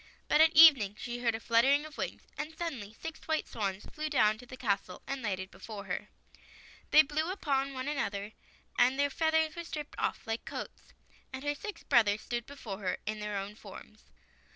But at evening she heard a fluttering of wings, and suddenly six white swans flew down to the castle, and lighted before her. They blew upon one another, and their feathers were stripped off like coats, and her six brothers stood before her in their own forms.